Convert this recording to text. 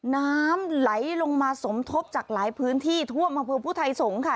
น้ำไหลลงมาสมทบจากหลายพื้นที่ถวมมาพวกผู้ไทยสงค่ะ